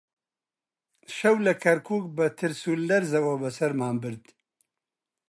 شەو لە کەرکووک بە ترس و لەرزەوە بەسەرمان برد